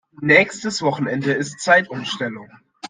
Nächstes Wochenende ist Zeitumstellung.